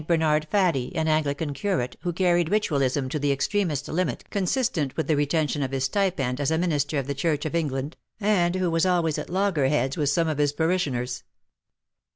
Bernard Faddie, an Anglican curate, who carried Ritualism to the extremest limit consistent with the retention of his stipend as a minister of the Church of England, and who was always at loggerheads with some of his parishioners.